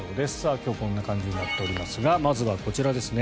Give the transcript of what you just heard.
今日はこんな感じになっておりますがまずはこちらですね。